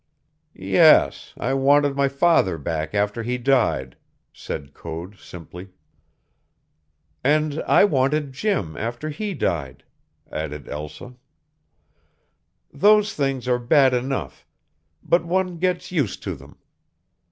"Yes, I wanted my father back after he died," said Code simply. "And I wanted Jim after he died," added Elsa. "Those things are bad enough; but one gets used to them.